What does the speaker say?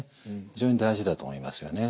非常に大事だと思いますよね